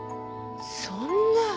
そんな。